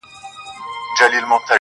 دا ځان به بیرته ورکړم، دا تاوان خلاصومه